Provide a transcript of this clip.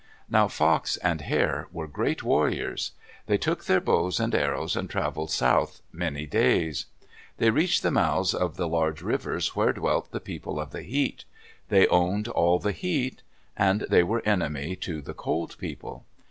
Now Fox and Hare were great warriors. They took their bows and arrows and traveled south many days. They reached the mouths of the large rivers where dwelt the People of the Heat. They owned all the heat; and they were enemy to the Cold People.